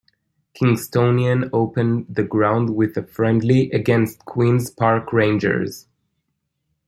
Kingstonian opened the ground with a friendly against Queens Park Rangers.